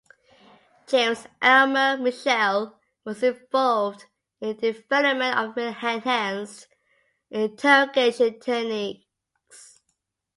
James Elmer Mitchell was involved in the development of enhanced interrogation techniques.